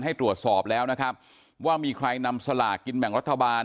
ให้ตรวจสอบแล้วนะครับว่ามีใครนำสลากกินแบ่งรัฐบาล